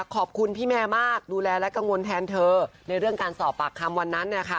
ขอบคุณพี่แมร์มากดูแลและกังวลแทนเธอในเรื่องการสอบปากคำวันนั้น